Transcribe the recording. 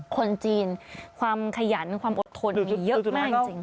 คนจีนความขยันความอดทนมีเยอะมากจริง